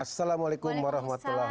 assalamualaikum warahmatullahi wabarakatuh